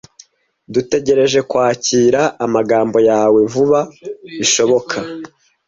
Dutegereje kwakira amagambo yawe vuba bishoboka.